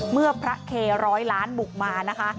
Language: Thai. เมื่อพระเคร้อยล้านบุกมานะคะ